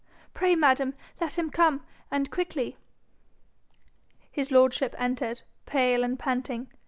Pray, madam, let him come, and quickly.' His lordship entered, pale and panting.